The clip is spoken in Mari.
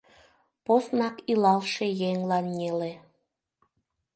Поснак илалше еҥлан неле.